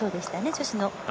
女子の。